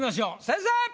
先生！